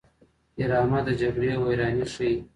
ډرامه د جګړې ویرانۍ ښيي